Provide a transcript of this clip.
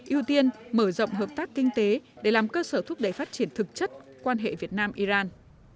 ưu tiên mở rộng hợp tác kinh tế để làm cơ sở thúc đẩy phát triển thực chất quan hệ việt nam iran